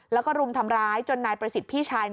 แล้วก็รุมทำร้ายจนนายประสิทธิ์พี่ชาย